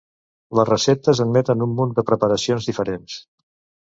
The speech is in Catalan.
Les receptes admeten un munt de preparacions diferents.